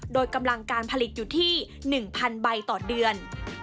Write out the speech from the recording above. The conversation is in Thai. โดยกำลังการผลิตอยู่ที่๑๐๐๐ใบต่อเดือน